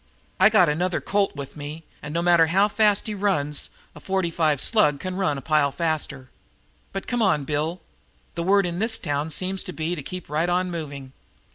"I got another Colt with me, and, no matter how fast he runs, a forty five slug can run a pile faster. But come on, Bill. The word in this town seems to be to keep right on moving."